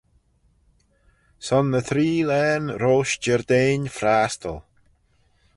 Son ny tree laghyn roish Jerdein Frastyl.